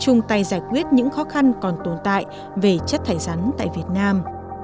chúng ta sẽ giải quyết những khó khăn còn tồn tại về chất thải rắn tại việt nam